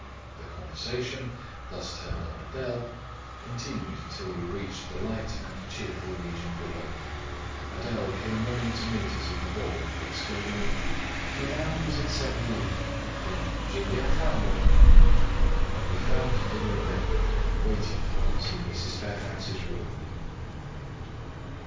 The conversation, thus turned on Adèle, continued till we reached the light and cheerful region below. Adèle came running to meet us in the hall, exclaiming— "Mesdames, vous êtes servies!" adding, "J'ai bien faim, moi!" We found dinner ready, and waiting for us in Mrs. Fairfax's room.